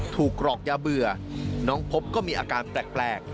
กรอกยาเบื่อน้องพบก็มีอาการแปลก